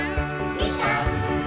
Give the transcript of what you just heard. みかん！